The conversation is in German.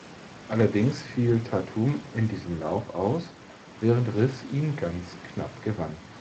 Allerdings fiel Tatum in diesem Lauf aus, während Riss ihn ganz knapp gewann.